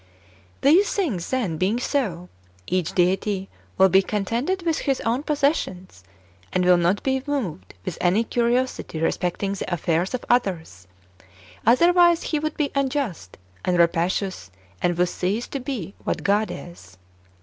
5. These things, then, being so, each deity will be con tented with his own possessions, and will not be moved with any curiosity respecting the affairs of others; otherwise he would be unjust, and rapacious, and would cease to be what God is.